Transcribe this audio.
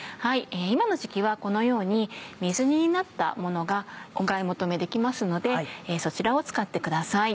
今の時期はこのように水煮になったものがお買い求めできますのでそちらを使ってください。